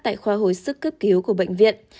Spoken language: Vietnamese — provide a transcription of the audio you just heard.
tại khoa hồi sức cấp cứu của bệnh viện